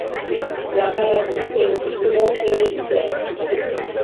La maladie est le plus souvent héréditaire.